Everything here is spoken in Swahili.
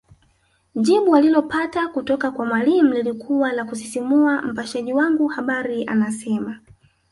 Jibu walilopata kutoka kwa Mwalimu lilikuwa la kusisimua Mpashaji wangu habari anasema